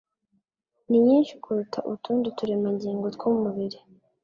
ni nyinshi kuruta utundi turemangingo tw'umubiri